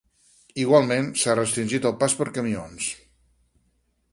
Igualment s’ha restringit el pas de camions.